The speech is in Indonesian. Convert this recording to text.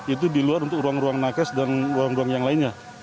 itu di luar untuk ruang ruang nakas dan ruang ruang yang lainnya